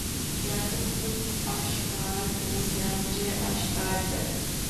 یا تو خود آشکار ہو یا مجھے آشکار کر